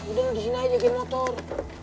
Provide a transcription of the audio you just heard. udah lo di sini aja kayak motor